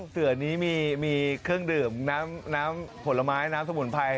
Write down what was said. เสือนี้มีเครื่องดื่มน้ำผลไม้น้ำสมุนไพร